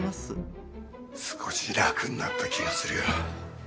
少し楽になった気がするよ。